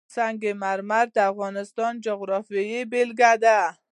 سنگ مرمر د افغانستان د جغرافیې بېلګه ده.